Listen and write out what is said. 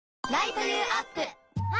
あ！